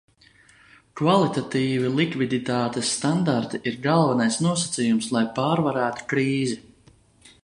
Kvalitatīvi likviditātes standarti ir galvenais nosacījums, lai pārvarētu krīzi.